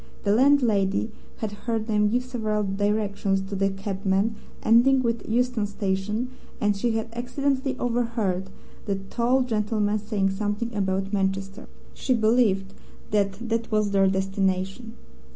The landlady had heard them give several directions to the cabman, ending with Euston Station, and she had accidentally overheard the tall gentleman saying something about Manchester. She believed that that was their destination.